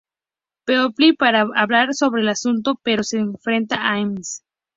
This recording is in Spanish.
Peabody para hablar sobre el asunto, pero se enfrenta a Ms.